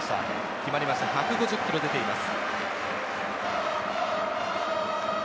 決まりました、１５０キロ出ています。